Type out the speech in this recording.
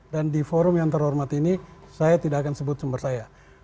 dan di forum yang terhormat ini saya tidak akan sebut sumber saya